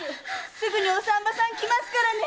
すぐにお産婆さん来ますからね。